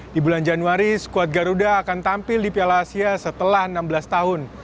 di bulan januari skuad garuda akan tampil di piala asia setelah enam belas tahun